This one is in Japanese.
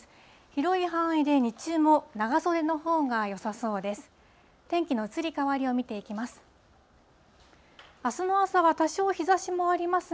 広い範囲で日中も長袖のほうがよさそうです。